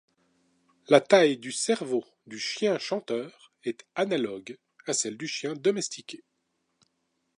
La taille du cerveau du Chien chanteur est analogue à celle du chien domestiqué.